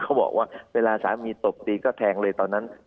เขาบอกว่าเวลาสามีตบตีก็แทงเลยตอนนั้น